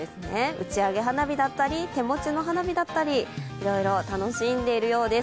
打ち上げ花火だったり手持ちの花火だったりいろいろ楽しんでいるようです。